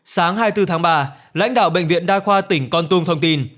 sáng hai mươi bốn tháng ba lãnh đạo bệnh viện đa khoa tỉnh con tum thông tin